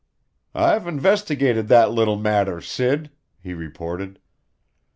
"I've investigated that little matter, Sid," he reported.